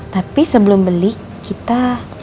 tapi sebelum beli kita